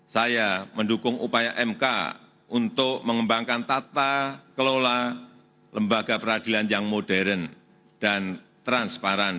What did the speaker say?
saya mendukung upaya mk untuk mengembangkan tata kelola lembaga peradilan yang modern dan transparan